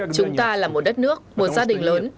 chúng ta là một đất nước một gia đình lớn